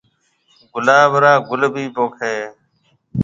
گُلاب را گُل ڀِي پوکيَ هيَ۔